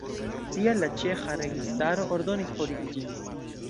Tial la ĉeĥa registaro ordonis forigi ĝin.